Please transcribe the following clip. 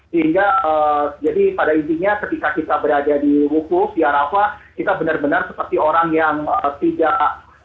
sehingga jadi pada intinya ketika kita berada di wukuf di arafah kita benar benar seperti orang yang tidak